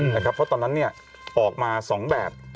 เพราะตอนนั้นออกมา๒แบบ